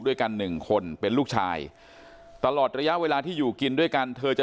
ด้วยกันหนึ่งคนเป็นลูกชายตลอดระยะเวลาที่อยู่กินด้วยกันเธอจะ